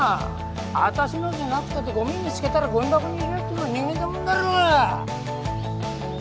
私のじゃなくたってゴミ見つけたらゴミ箱に入れるってのが人間ってもんだろうが。